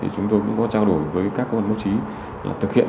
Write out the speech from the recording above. chúng tôi đã nhận được văn bản